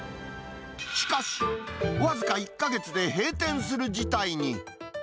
しかし、僅か１か月で閉店する事態に。